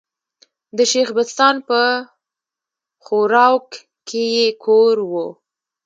د شېخ بستان په ښوراوک کي ئې کور ؤ.